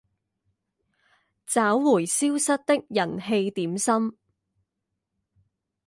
找回消失的人氣點心